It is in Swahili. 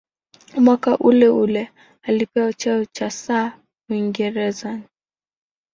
Mwaka uleule alipewa cheo cha "Sir" cha Uingereza.